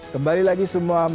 kembali lagi semua